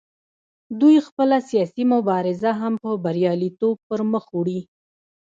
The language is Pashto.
دوی خپله سیاسي مبارزه هم په بریالیتوب پر مخ وړي